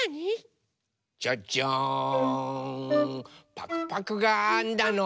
パクパクがあんだの。